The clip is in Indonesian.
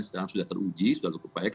sekarang sudah teruji sudah cukup baik